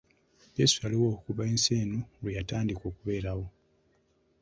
Yeesu yaliwo okuva ensi eno lwe yatandika okubeerawo.